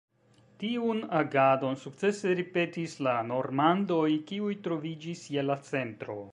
Tiun agadon sukcese ripetis la normandoj, kiuj troviĝis je la centro.